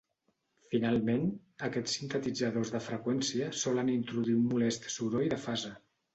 Finalment, aquests sintetitzadors de freqüència solen introduir un molest soroll de fase.